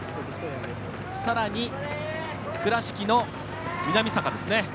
さらに、倉敷の南坂ですね。